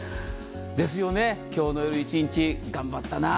ですよね、今日の夜、一日頑張ったな、